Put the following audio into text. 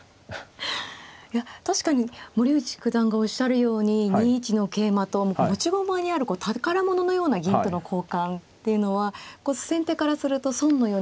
いや確かに森内九段がおっしゃるように２一の桂馬と持ち駒にある宝物のような銀との交換っていうのは先手からすると損のように感じる。